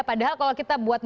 padahal kalau kita buat